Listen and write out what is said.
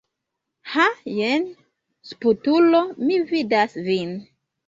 Ha jen sputulo, mi vidas vin.